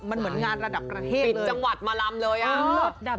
มันเหมือนงานระดับประเทศปิดจังหวัดมาลำเลยอ่ะ